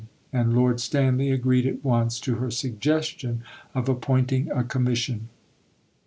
And Lord Stanley agreed at once to her suggestion of appointing a Commission.